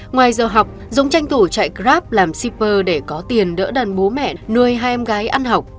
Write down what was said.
ngoài giờ học dung tranh thủ chạy grab làm shipper để có tiền đỡ đằn bố mẹ nuôi hai em gái ăn học